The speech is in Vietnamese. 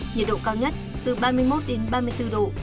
nhiệt độ cao nhất từ ba mươi một đến ba mươi bốn độ